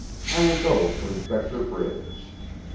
I will go for Inspector Bridge."